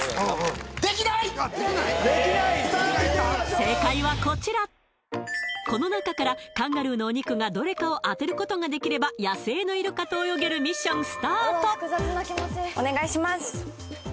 正解はこちらこの中からカンガルーのお肉がどれかを当てることができれば野生のイルカと泳げるミッションスタート